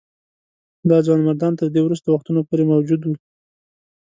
دا ځوانمردان تر دې وروستیو وختونو پورې موجود وه.